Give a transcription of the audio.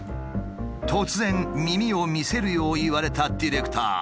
突然耳を見せるよう言われたディレクター。